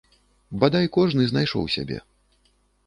Бадай кожны знайшоў сябе.